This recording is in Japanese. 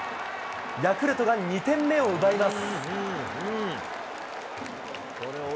ヤクルトが２点目を奪います。